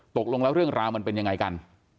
ตกลงแล้วเรื่องราวมันเป็นยังไงกัน